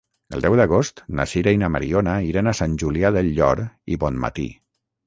El deu d'agost na Sira i na Mariona iran a Sant Julià del Llor i Bonmatí.